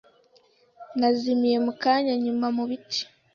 yazimiye mukanya nyuma mubiti.